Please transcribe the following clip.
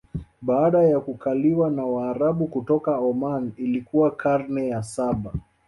Baada ya kukaliwa na waarabu kutoka Oman Ilikuwa karne ya Saba